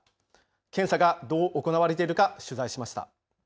検査がどう行われているか取材しました。